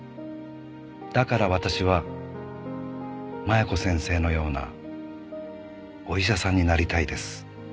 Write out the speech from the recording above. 「だから私は麻弥子先生のようなお医者さんになりたいです」